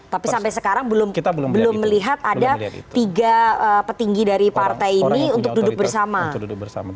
tapi sampai sekarang belum melihat ada tiga petinggi dari partai ini untuk duduk bersama